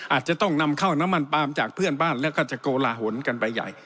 อาจจะต้องนำเข้าน้ำมันปาล์มจากเพื่อนบ้านแล้วก็จะโกลาหลกันไปใหญ่